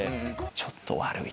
ちょっと悪い！